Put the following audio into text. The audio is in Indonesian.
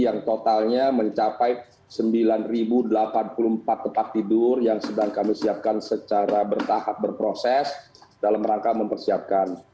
yang totalnya mencapai sembilan delapan puluh empat tempat tidur yang sedang kami siapkan secara bertahap berproses dalam rangka mempersiapkan